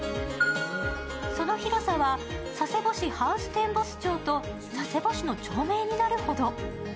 その広さは佐世保市ハウステンボス町と、佐世保市の町名になるほど。